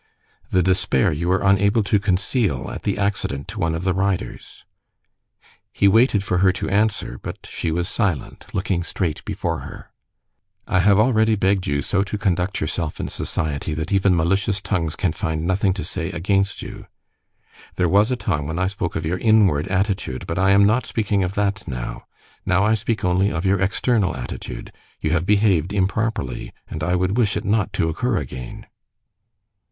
"The despair you were unable to conceal at the accident to one of the riders." He waited for her to answer, but she was silent, looking straight before her. "I have already begged you so to conduct yourself in society that even malicious tongues can find nothing to say against you. There was a time when I spoke of your inward attitude, but I am not speaking of that now. Now I speak only of your external attitude. You have behaved improperly, and I would wish it not to occur again."